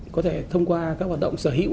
có thể thông qua các hoạt động sở hữu